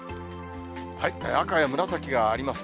赤や紫がありますね。